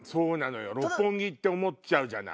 六本木って思っちゃうじゃない。